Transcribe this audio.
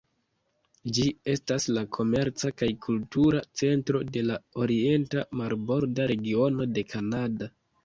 Ĝi estas la komerca kaj kultura centro de la orienta marborda regiono de Kanada.